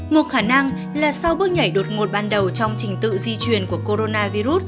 một khả năng là sau bước nhảy đột ngột ban đầu trong trình tự di truyền của coronavirus